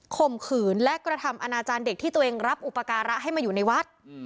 ข่มขืนและกระทำอนาจารย์เด็กที่ตัวเองรับอุปการะให้มาอยู่ในวัด